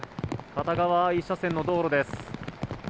片側１車線の道路です。